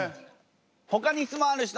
ほかに質問ある人。